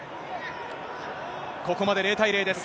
ここまで０対０です。